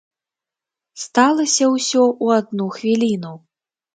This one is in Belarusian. Сталася ўсё ў адну хвіліну.